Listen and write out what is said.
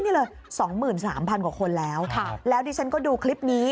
๒๓๐๐๐กว่าคนแล้วแล้วดิฉันดูคลิปนี้